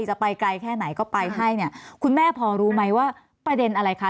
จะไปไกลแค่ไหนก็ไปให้เนี่ยคุณแม่พอรู้ไหมว่าประเด็นอะไรคะ